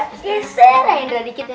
geseran dikit ya